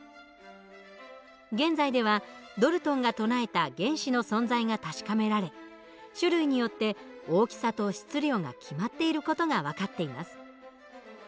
現在ではドルトンが唱えた原子の存在が確かめられ種類によって大きさと質量が決まっている事が分かっています。